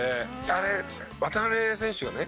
あれ渡邊選手がね